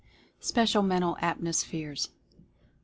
SPECIAL MENTAL ATMOSPHERES.